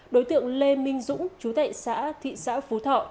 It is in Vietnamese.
đối tượng lê minh dũng chú tệ xã thị xã phú thọ